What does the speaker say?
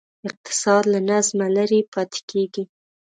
اقتصاد له نظمه لرې پاتې کېږي.